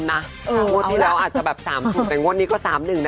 นั่นก็คือนี้เลย